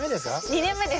２年目です。